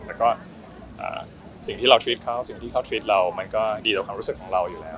แล้วก็สิ่งที่เราทริปเขาสิ่งที่เขาทริปเรามันก็ดีต่อความรู้สึกของเราอยู่แล้ว